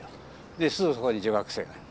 ですぐそこに女学生がいる。